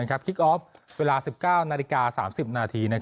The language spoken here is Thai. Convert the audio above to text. คิกออฟเวลา๑๙นาฬิกา๓๐นาที